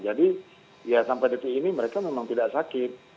jadi ya sampai detik ini mereka memang tidak sakit